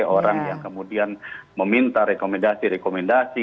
orang yang kemudian meminta rekomendasi rekomendasi